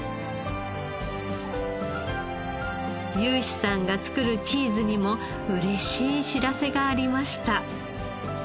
雄志さんが作るチーズにも嬉しい知らせがありました。